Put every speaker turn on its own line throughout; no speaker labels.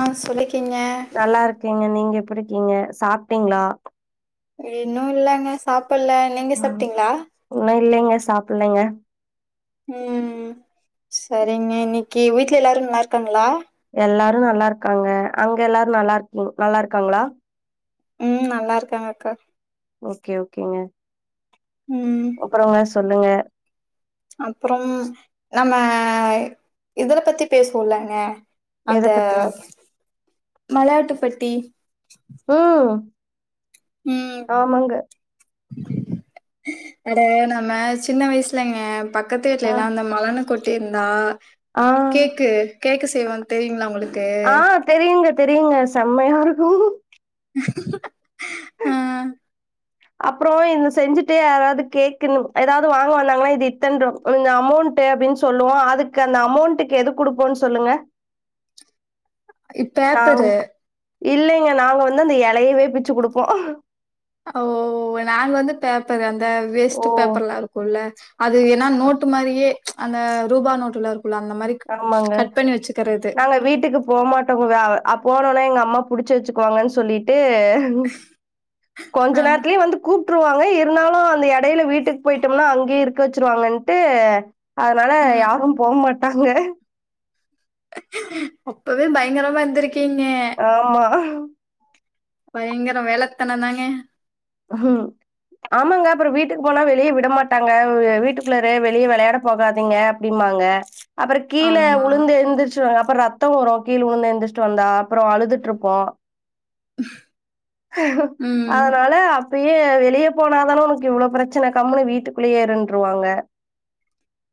ஆ சொல்லிக்கீங்க
நல்லாருக்கேங்க நீங்க எப்ரிக்கீங்க சாப்ட்டீங்ளா
இன்னு இல்லங்க சாப்பிட்ல
ம் ஒன்னு இல்லைங்க சாப்புட்லங்க
ம் செரிங்க இன்னைக்கு வீட்ல எல்லாரு நல்லா இருக்காங்களா
எல்லாரு நல்லாருக்காங்க அங்க எல்லாரு நல்லாருக்கீங் நல்லா இருக்காங்களா
ம் நல்லாருக்காங்க அக்கா
ஓகே ஓகேங்க
ம்.
அப்பறங்க சொல்லுங்க
அப்புறம் நம்ம இதுல பத்தி பேசுவோலங்க
எத
அந்த
பத்திங்
மல்லாட்டு பத்தி
ஓ
ம் அட நம்ம சின்ன வயசுலங்க பக் க்கத்து
ஆ
வீட்லலா அந்த மலனு கொட்டிருந்தா
ஆ
கேக்கு கேக்கு செய்வோன் தெரியுங்ளா உங்களுக்கு
ஆ தெரியுங்க தெரியுங்க செம்மையா இருக்கு
உ
[inaudible] அப்றோ இவ்ங்க செஞ்சுட்டு யாராவ்து கேக்குணு எதாவ்து வாங்க வந்தாங்கனா இது இத்தன்ரூவா உங்க அமௌண்ட்டு அப்டின் சொல்லுவோ அதுக்கு அந்த அமௌண்ட்டுக்கு எது குடுப்போன் சொல்லுங்க
பேப்பரு
நாங் இல்லைங்க நாங்க வந்து அந்த எலையவே பிச்சு குடுப்போ
ஓ நாங்க வந்து பேப்பரு அந்த வேஸ்ட்டு
ஓ
பேப்பர்லா இருக்குல்ல அது ஏனா நோட்டு மாரியே அந்த ரூபா நோட்டுல இருக்குல அந்த மாரி
ஆமாங்க
கட் பண்ணி வச்சுக்கறது
நாங்க வீட்டுக்கு போமாட்டோங்க அ போனோனா எங்க அம்மா புடிச்சு வச்சுக்குவாங்கன் சொல்லிட்டு ம் கொஞ்ச
ஆ
நேரத்துலயே வந்து கூப்ட்ருவாங்க இருந்தாலு அந்த எடைல வீட்டுக்கு போயிட்டம்னா அங்கயே இருக்க வெச்சிருவாங்கன்ட்டு அதனால
ம்
யாரு போக மாட்டாங்க
அப்பவே பயங்கரமா இருந்திருக்கீங்க
ஆமா
பயங்கர வேலத்தனந் தாங்க
ம் ம் ஆமாங்க அப்பற வீட்டுக்கு போனா வெளிய விடமாட்டாங்க வ் வீட்டுக்குள்ளாரே வெளிய வெளையாட போகாதீங்க அப்டின்பாங்க அப்பற கீழ
ஆமா
உழுந்து எந்திர்ச்சுவா அப்பற ரத் த்தம் வரு கீழ விழுந்து எந்திர்ச்ட்டு வந்தா அப்ற அழுதுட்டு இருப்பா
ம்
அதனால இப்பயே வெளிய போனாதான உனக்கு இவ்ளோ ப்ரச்சனை கம்முனு வீட்டுக்குள்ளயே இருன்ருவாங்க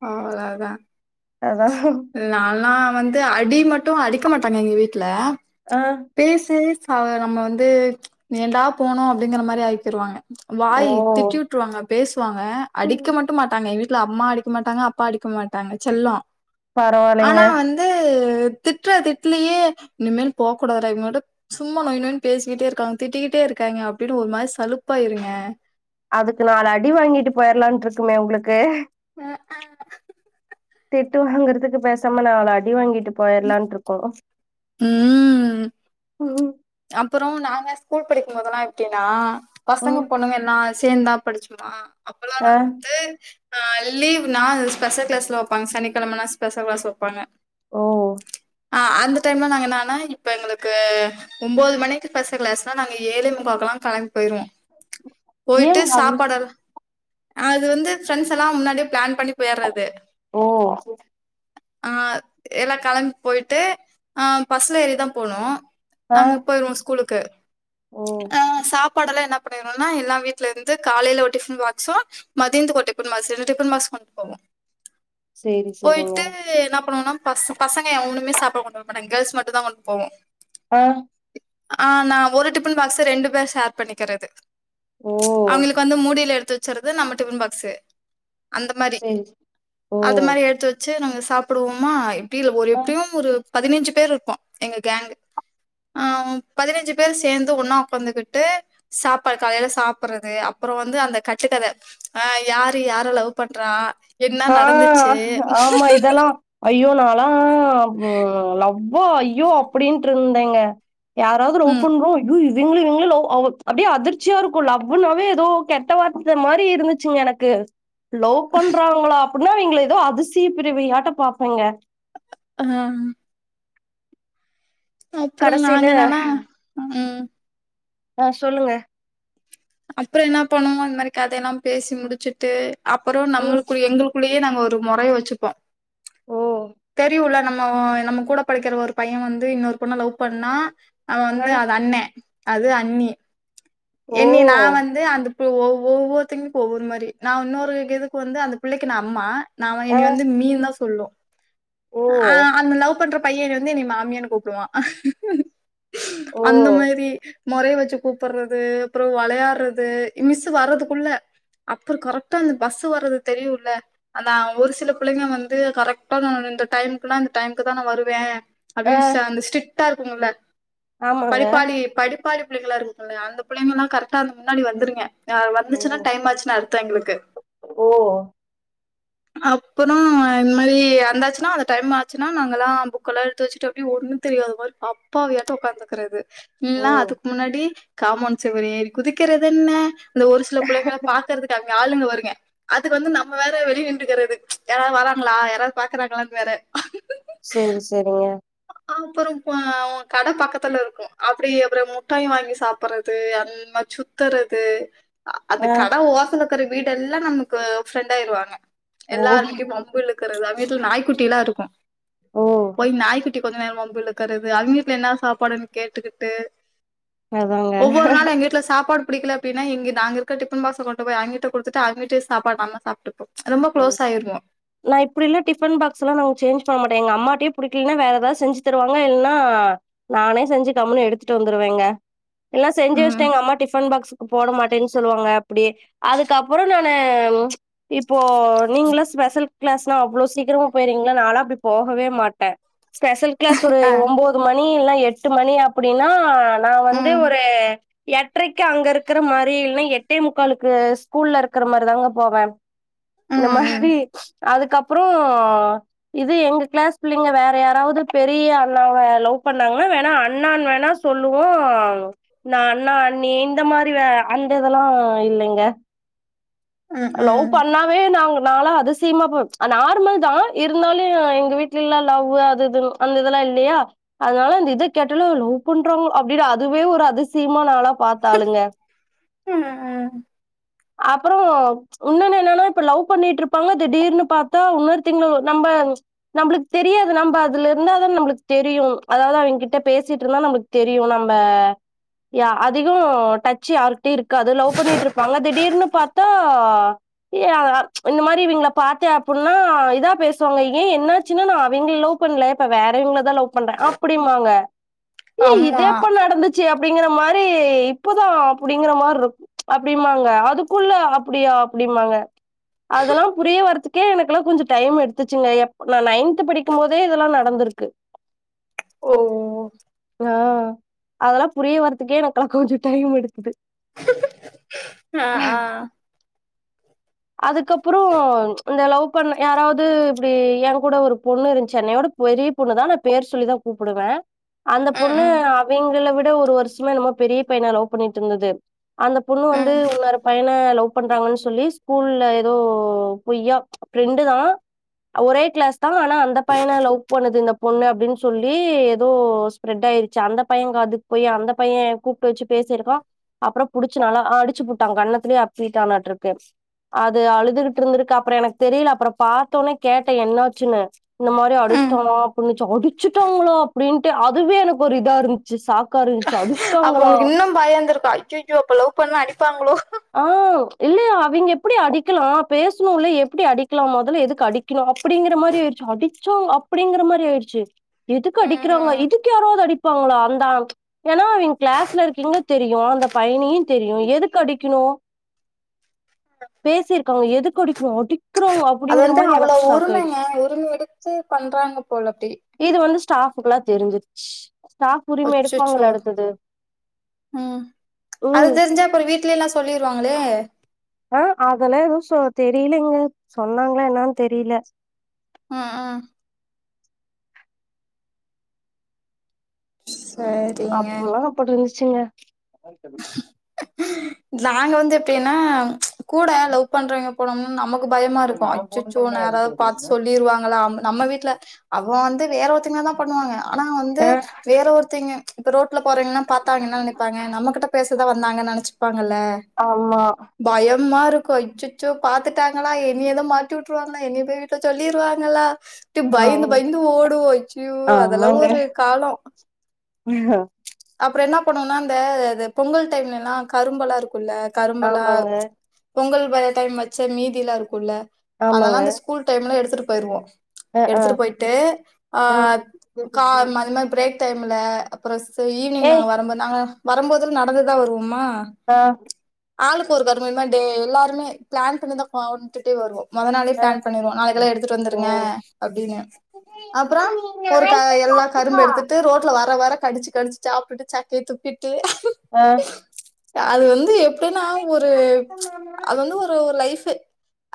அவ்ளதா
அதா
நால்லா வந்து அடி மட்டு அடிக்க மாட்டாங்க எங்க வீட்ல
ஆ
பேசியே சாவ நம்ம வந்து ஏன்டா போனோ அப்டிங்கிற மாரி ஆக்கிடுவாங்க
ஓ
வாய் திட்டி விட்ருவாங்க பேசுவாங்க அடிக்க மட்டு மாட்டாங்க எங்க வீட்ல அம்மா அடிக் க்க மாட்டாங்க அப்பா அடிக்க மாட்டாங்க செல்ல ஆனா
பரவாயில்லைங்க
வந் து திட்ற திட்லயே இனிமேல் போக் கூடாதுடா இவனோட சும்மா நொய் நொய்ன்னு பேசிக்கிட்டே இருக்காங்க திட்டிக்கிட்டே இருக்காய்ங்க அப்டின் ஒரு மாரி சலுப்பாயிருங்க
அதுக்கு நாலு அடி வாங்கிட்டு போயிற்லான்டு இருக்குமே உங்களுக்கு
ம ஆ
திட்டு வாங்குறதுக்கு பேசாம நாலு அடி வாங்கிட்டு போயிற்லான்ட்ருக்கு
ம்
ம் ஹூ
அப்பற நாங்க ஸ்கூல் படிக்குபோதெல்லா எப்டின்னா பசங்க
ம்
பொண்ணுங்க எல்லா சேந்தா படிச்சமா அப்ற
அ ம்
து ஆ லீவ்னா ஸ்பெஷல் கிளாஸலா வப்பாங்க சனிக்கிழமைனா ஸ்பெஷல் கிளாஸ் வப்பாங்க
ஓ
அ அந்த டைம்ல நாங்க என்னனா இப்ப எங்களுக்கு ஒம்பொது மணிக்கு ஸ்பெஷல் கிளாஸ்னா நாங்க ஏழே முக்காவுக்கெல்லா கெளம்பி போயிருவோ போய்ட்டு
ஏங்க அவ்ளோ
சாப்பாடு எல்லா அது வந்து ஃப்ரெண்ட்ஸ் எல்லா முன்னாடியே பிளான் பண்ணி போய்ட்றது
ஓ
ஆ எல்லா கெளம்பி போய்ட்டு அ பஸ்ல ஏறி தா போனோ
ஆ
நாங்க போயிடுவோ ஸ்கூலுக்கு
ஓ
ஆ சாப்பாடெல்லா என்ன பண்ணிருவோனா எல்லா வீட்ல இருந்து காலைல ஒரு டிஃபன் பாக்ஸு மதியன்துக்கு ஒரு டிப்பன் பாஸ் ரெண்டு டிப்பன் பாஸ் கொண்டு போவோ
சேரி சேரிங்க
போய்ட்டு என்ன பண்ணுவோனா பச பசங்க எவனுமே சாப்பாடு கொண்டு வர மாட்டாங்க கேர்ள்ஸ் மட்டு தா கொண்டு போவோ
ஆ
ஆ நான் ஒரு டிப்பன் பாக்ஸ ரெண்டு பேர் ஷேர் பண்ணிக்கிறது
ஓ
அவிங்களுக்கு வந்து மூடில எடுத்து வச்சறது நம்ம டிஃபன் பாக்ஸ்ஸு அந்த மாரி
சேரி ஓ
அது மாரி எடுத்து வச் ச்சு நாங்க சாப்டுவோமா எப்டி இல்ல ஒரு
ஆ
எப்டியு ஒரு பதினஞ்சு பேர் இர்ப்போ எங்க கேங்க் ஆ பதினஞ்சு பேர்ஸ் சேர்ந்து ஒன்னா உக்காந்துகிட்டு சாப்பாடு காலைல சாப்பட்றது அப்பற வந்து அந்த கட்டுக்கத ஆ யாரு யார லவ் பண்றா என்ன
ஆ
நடந்துச்சு?
ஆமா இதெல்லா ஐயோ நாலா லவ் வா ஐய்யோ அப்டின்ட்டு இருந்தேங்க யாராவது லவ்
ம்.
பண் போது ஐய்யு இவ்ங்ளு இவ்ங்ளு லவ் அப்டியே அதிர்ச்சியா இருக்கு லவ்வுனாவே எதோ கெட்டவார்த்த மாரி இருந்துச்சுங்க எனக்கு லவ் பண்றாங்ளா அப்டினா இவ்ங்க எதோ அதிசய பிறவியாட்ட பாப்போங்க
ஆ அப்ற
கடைசில
நாங்க என்னானா ம்
ஆ சொல்லுங்க
அப்புற என்ன பண்ணுவோ இந் மாரி கதையெல்லா பேசி முடிச்சுட்டு அப்புற
ம்
நம்ளுக்குரு எங்ளுக் குள்ளியே நாங்க ஒரு முறை வச்சுப்போ
ஓ
தெரியுல நம் ம ஓ நம்ம கூட படிக்கிற ஒரு பைய வந்து இன்னொரு பொண்ணா லவ் பண்ணா அதவ
ஆ
வந்து அது அண்ணே அது அண்ணி
ஓ
என்னிய நா வந்து அந்த ஒ ஒவ்ஒவ்வொருத்திக்கு ஒவ்வொரு மாரி நா இன்னொரு இதுக்கு வந்து அந்த பிள்ளைக்கு நா அம்மா நாம
ஆ
இனி வந்து மீந்தா சொல்லோ
ஓ
ஆ அந்த லவ் லவ் பண்ற பைய வந்து என்னைய மாமியான்னு கூப்டுவா
ஓ
அந்த மாரி மொறைய வச்சி குப்புறது அப்புற வெளையாட்றது மிஸ்சு வர்றதுக்குள்ள அப்புற கரெக்ட்டா அந்த பஸ்சு வர்றது தெரியுல அதா ஒரு சில பிள்ளைங்க வந்து கரெக்டா நா இந்த டைம்குனா இந்த டைம்க்குதா நா வருவே
ஆ
அப்டின் சே அந்த ஸ்டிட்டா இருக்குங்ள
ஆமாங்க
படிப்பாளி படிப்பாளி பிள்ளைங்ளா இருக்குல அந்த புள்ளைங்கெல்லா கர்க்ட்டா அந்த முன்னாடி வந்துருங்க ஆ
ஓ
வந்துச்சுன்னா டைம் ஆச்சுன்னு அர்த்தோ எங்ளுக்கு
ஓ
அப்புற இந்த மாரி வந்தாச்சுனா அந்த டைம் ஆச்சுனா நாங்கலா புக்கெல்லா எடுத்து வச்சுட்டு அப்டி ஒன்னு தெரியாத மாரி அப்பாவியாட்டு உக்காந்துக்குறது
ஓ
இல்னா அதுக் முன்னாடி காம்ப்போண்ட் செவுரு ஏறி குதிக்கறதுன்ன இந்த ஒரு சில புள்ளைங்கள பாக் கறதுக்கு அங்க ஆளுங்க வருங்க அதுக் வந்து நம்ம வேற வெளிய நின்டுகிறது யாரா வராங்ளா யார பாக்றாங்ளான் வேற
செரி செரிங்க
அப்புற ப கட பக்கத்துல இருக்கு அப்டியே அப்பற முட்டாயி வாங்கி சாப்புற்றது இந் மார் சுத்தறது அ அத்
ஆ
மேர் கட ஓசல இருக்கற வீடெல்லா நம்க்கு ஃப்ரெண்டா ஆயிர்வாங்க
ஓ
எல்லார்கிட்டியு வம்பிழுத் கிறது அவுங் வீட்ல நாய்க்குட்டிலா இருக்கு
ஓ
போய் நாய் குட் டி கொஞ்ச நேர வம்பிழுக்கறது அவிங்வீட்ல இன்னா சாப்பாடுன் கேட்டுக்கிட்டு
அதாங்க
ஒவ்வொரு நாள் எங்க வீட்ல சாப்பாடு பிடிக்ல அப்டின்னா இங்க நாங்க இருக்க டிப்பன் பாக்ஸ் கொண்டு போய் அவிங்கிட்ட குடுத்துட்டு அவிங்கிட்ட சாப்பாட் நம்ம சாப்டுபோ ரொம்ப க்ளோஸ் ஆயிருவோ
நா இப்புடிலா டிஃபன் பாக்ஸ்லா நாங் சேஞ்ச் பண்ண மாட்டே எங்க அம்மாட்டியே புடிக்கில்னா வேற ஏதாவ் செஞ்சு தருவாங்க இல்னா நானே செஞ்சு கம்முனு எடுத்துட்டு வந்துருவேங்க இல்னா செஞ்சு
ம்
வச்சிட்டு எங்க அம்மா டிஃபன் பாக்ஸ்சு போட மாட்டேன் சொல்லுவாங்க அப்டியே அதுக்கப்புற நானு இப்போ நீங்ளா ஸ்பெசல் கிளாஸ்லா அவ்ளோ சீக்கிரமா போய்றீங்ளா நாலா அப்டி போகவே மாட்டே ஸ்பெசல் கிளாஸ் ஒரு
ஆ
ஒம்போது மணி இல்ன எட்டு மணி அப்புடினா நா வந்து
ம்
ஒரு எட்றைக்கி அங்க இருக்குற மாரி இல்னா எட்டே முக்காலுக்கு ஸ்கூல்ல இருக்கிற மாரிதாங்க போவே இந்த
ம் ம்
மாரி அதுக்கப்புறோ இது எங்க கிளாஸ் புள்ளைங்க வேற யாராவ்து பெரிய அண்ணாவ லவ் பண்ணாங்னா வேணா அண்ணான் வேணா சொ சொல்லுவோ நா அண்ணா அண்ணி இந்த மாரி அந்த இதுலா இல்லைங்க
ம்
லவ்
ம்
பண்ணா அப்பவே நாங் நால அதிசிய்மா பாப் அ நார்மல்தா இருந்தாலு எங்க வீட்லயெல்லா லவ்வு அது இதுன் அந்த இதுலா இல்லியா அதனால அந்த இது கேட்டாலே லவ்ப்பண்றாங்க அப்டின்னு அதுவே ஒரு அதிசிய்மா நாலா பாத்தாளுங்க
ம் ம்
அப்புறோ உன்னோன்னு இன்னனா இப்ப லவ் பண்ணிட்டுருப்பாங்க திடீர்னு பாத்தா உன்னொர்திங்லு நம்ப நம்பளுக் தெரியாது நம்ப அதுல இருந்தாதா நம்பளுக் தெரியு அதாவுது அவுங் கிட்ட பேசிட்டு இருந்தா நம்ளுக் தெரியு நம்ப அதிகோ டச்சு யாருக் கிட்டையு இருக்காது லவ் பண்ணிட்டு இருப்பாங்க திடீர்னு பாத்தா ஏ இந்த மாரி இவுங்கள பாத்தா அப்புன்னா இதா பேசுவாங்க ஏ என்னாச்சுன்னா நா அவிங்கள லவ் பண்ல இப்ப வேற இவுங்களதா லவ் பண்ற அப்டின்பாங்க ஏ
ஆமா
இது எப்ப நடந் துச்சு அப்டிங்குற மாரி இப்பதா அப்புடிங்கிற மார் இருக்கு அப்டிபாங் க அதுக்குள்ள அப்புடியா அப்டிபாங்க அதெல்லா புரிய வரதுக் கே எனக்கெல்லா கொஞ்சோ டைம் எடுத்துச்சுங்க எப் நா நைன்த் படிக்கு போதே இதெல்லா நடந்திருக்கு
ஓ
ஆ அதெல்லா புரிய வரதுக்கே எனக்கெல்லா‌ கொஞ்சோ டைம் எடுக்குது
ஆ ஆ
அதுக்கப்பறோ இந்த லவ் பண் யாராவது இப்டி என் கூட ஒரு பொண்ணு இருந்துச்சு என்னையோட பெரிய பொண்ணுதா நா பேர் சொல்லிதா கூப்பிடுவ அந்த
ம்
பொண்ணு
ம்
அவிங்கள விட ஒரு வருஷமோ எண்ணமோ பெரிய பையன லவ் பண்ணிட்டு இருந்துது அந்த பொண்ணு வந் து
ம்
இன்னொரு பையன லவ் பண்றாங்கன்னு சொல்லி ஸ்கூல்ல ஏதோ பொய்யா ஃப்ரெண்டுதா ஒரே கிளாஸ்தா ஆனா அந்த பையன லவ் பண்ணுது இந்த பொண்ணு அப்டின்னு சொல்லி ஏதோ ஸ்பெரெட் ஆயிருச்ச அந்த பைய காதுக்கு போய் அந்த பைய கூப்ட்டு வச்சு பேசியிருக்கா அப்றோ புடுச்சு நல்லா அடுச் அடிச்சுபுட்டா கண்ணத்துலயே அப்பிட்டானாட்ருக்கு அது அழுதுகிட்டு இருந்துருக்கு அப்றோ எனக்கு தெரில அப்றோ பாத்தோனே கேட்ட என்னாச்சுன்னு இந்த மாரி
ம்
அடிச்சிட்டாமா அப்டின்ச்சு அடிச்சுட்டாங்ள அப்டின்ட்டு அதுவே எனக்கு ஒரு இதா இருன் ச்சு சாக்காருன்ச்சு அடிஷ்டாங்ளா
அது பயந்து இருக்கு அய்ய அய்யோ அப்ப லவ் பண்ண அடிப்பாங்ளோ
ஆ இல்ல அவிங்க எப்புடி அடிக்லா பேசணுல்ல எப்டி அடிக்லா மொதல்ல எதுக்கு அடி க்றா அப்டிங்கிற மாரி ஆயிடுச்சு அடிச்சாங் அப்டிங்கிற மாரி ஆயிடுச்சு எதுக்கு
ம் ம்
அடிக்கிறாங்க
ம்
இதுக்கு யாராவது அடிப்பாங்ளா அந்த ஏனா அவிங் கிளாஸ்ல இருக்கீங்லியு தெரியு‌ அந்த பைனியு தெரியு எதுக்கு அடிக் ணு பேசிருக்காங்க எதுக்கு அடிக்கணு அடி
அது வந்து அவ்ளோ உருமங்க உரிம எடுத்து பண்றாங்க போல அப்டி
இது வந்து ஸ்டாஃபக்குல்லா தெரிஞ்சிருச்சு ஸ்டாஃப் உரிம
அச்சச்சோ
எடுப்பாங்களா அடுத்தது
ம் அது
ம்
தெரிஞ்சா அப்றோ வீட்ல எல்லா சொல்லிருவாங்ளே
ஆ அதெல்லா எதுவு சொ தெரிலங்க சொன்னாங்ளா என்னன்னு தெரில
ஆ ஆ சரிங்க
அப்போல்லா அப்புடி இருந்துச்சுங்க
நாங்க வந்து எப்டின்னா கூட லவ் பண்றவிங்க போனம்னா நமக்கு பயமா இருக்கு அச்சச்சோ நா யாராவது பாத்து சொல்லிருவாங்களா நம்ம வீட்ல அவன் வந்து வேற ஒருத்தங்கதா பண்ணுவாங்க ஆனா வந்து வேற ஒருத்திங்க இப்ப ரோட்ல போறவீங்ளா பாத்தா என்ன நெனைப்பாங்க நம்மகிட்ட பேசதா‌ வந்தாங்கன் நெனச்சுப்பாங்கல்ல
ஆமா
பயமா இருக்கு அச்சச்சோ பாத்துட்டாங்களா என்னிய எது மாட்டி விட்டுருவாங்ளா எனிய போய் சொல்லிருவாங்களா அப்டி பயந்து
ஆமா
பயந்து ஓடுவோ அச்சு அதெல்லா ஒரு காலோ
புரிதா
அப்றோ என்னா பண்ணோனா அந்த அது பொங்கல் டைம்ல எல்லா கரும்பெல்லா இருக்குல்ல கரும்பெல்லா
ஆமாங்க
பொங்கல் வர டைம் வச்ச மீதிலா இருக்குல்ல
ஆமாங்க
அதெல்லா அந்த கூல் டைம்ல எடுத்துட்டு போயிருவோ.
அ ஆ
எடுத்துட்டு போயிட்டு அ
ம்
கா அது மாதிரி பிரேக் டைம்ல அப்றோ ஒரு ஈவினிங்
ஏய்
நாங்க வரும்போது நா வரும்போது நடந்துதா வருவோமா வருவோமா.
ஆ
ஆளுக்கு ஒரு [unintelligible] டே எல்லாருமே பிளான் பண்ணிதா கொண்டுட்டே வருவோ. மொத நாளே
ஆ
பிளான் பண்ணுவோ. நாளைக்கெல்லா எடுத்துட்டு வந்துருங்க
ம்
அப்டின்னு அப்றோ ஒரு க எல்லா கரும்பு எடுத்துட்டு
ஆ
ரோட்ல வர வர கடிச்சு கடிச்சு சாப்டுட்டு சக்கைய துப்பிட்டு,
ஓ
அது வந்து எப்டின்னா ஒரு அது வந்து ஒரு ஒரு லைஃப்,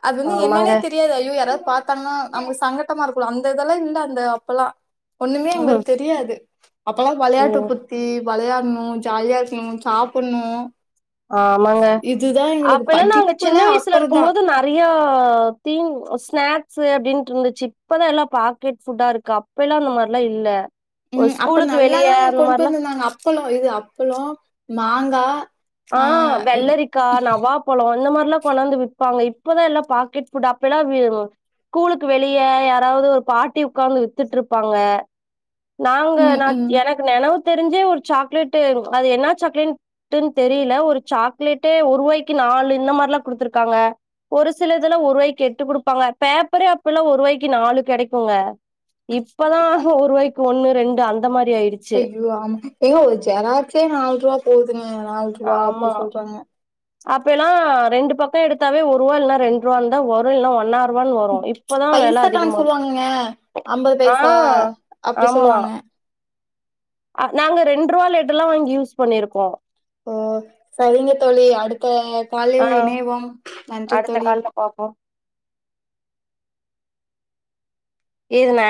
அது வந்து
ஆமாங்க
என்னன்னே தெரியாது. ஐயோ யாராவது பார்த்தாங்கன்னா நமக்கு சங்கட்டமா இருக்குல, அந்த இதெல்லா இல்ல அந்த அப்பல்லாம் ஒண்ணுமே
ம்
எங்களுக்கு தெரியாது அப்பல்லாம் வொளையாட்டு
ம்
சுத்தி வளையாடணு ஜாலியா இருக்கணு சாப்ட்ணு
ஆமாங்க அப்ப எல்லா நாங்க சின்ன
படிப்புலா
வயசுல இருக்கும்
அப்பறந்தா
போது நா நிறியா தீனி ஸ்நாக்ஸ் அப்டின்னு இருந்துச்சு இப்பதா எல்லா பாக்கெட் ஃபுட்டா இருக்கு இப்பல்லாம் அந்த மாதிரிலா இல்ல ஒரு
ம். அப்ப
ஸ்கூலுக்கு வெளிய
நல்லாதாங்க
அந்த
கொண்டு
மாதிரிலா
வந்திருந்தாங்க. அப்பளம் இது அப்பளம் மாங்கா
ஆ வெள்ளரி க்கா நவ்வா பழோ இந்த மாதிரிலாம் கொண்டாந்து விப்பாங்க இப்பதான் எல்லாம் பாக்கெட் ஃபுட் அப்பல்லாம் வீ ம் கூலுக்கு வெளிய யாராவது ஒரு பாட்டி உட்காந்து வித்துட்டுருப்பாங்க நாங்க
ம்
நா
ம் ம்.
எனக்கு நெனவு தெரிஞ்சே ஒரு சாக்லேட்டு அது என்ன சாக்லேட் டுன்னு தெரியல ஒரு சாக்லேட்டே ஒருவாய்க்கி நாலு இந்த மாரிலாம் குடுத்துருக்காங்க ஒரு சில இதுலாம் ஒருவாய்க்கு எட்டு குடுப்பாங்க பேப்பரே அப்பல்லாம் ஒருவாய்க்கு நாலு கிடைக்குங்க இப்பதான் ஒருவாய்க்கு ஒண்ணு ரெண்டு அந்த மாதிரி ஆயிடு
அய்யோ ஆமா ஏங்க ஒரு ஜெராக்ஸ்சே நால் ரூவா போகுதுங்க நால் ரூவா அப்டி சொல்றாங்க
அப்பல்லாம் ரெண்டு பக்கம் எடுத்தாவே ஒரு ரூவா இல்ல ரெண்டு ரூவா இருந்தா வரும் இல்ல ஒன்னா ரூவான்னு வரும் இப்பதான் வெல
பைசா கணக்கு
அதிகமா இருகு
சொல்லுவாங்கங்க. பைசா
ஆன்
அப்டி
ஆமா
சொல்லுவாங்க.
நாங்க ரெண்டு ரூவா லெட்டு எல்லாம் வாங்கி யூஸ் பண்ணிருக்கோ
ஓ சரிங்க தோழி அடுத்த
ஆ
காலில் இணைவோ நன்றி
அடுத்த
தோழி
கால்ல பாப்போ இதுங்க